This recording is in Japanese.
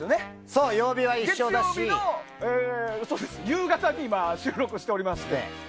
月曜日の夕方に収録しておりまして。